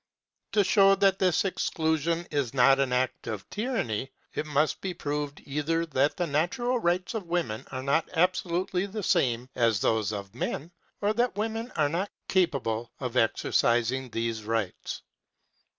To show that this exclusion is not an act of tyranny, it must be proved either that the natural rights of women are not absolutely the same as those of men, or that women are not capable of exercising these rights.